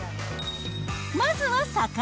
まずは魚。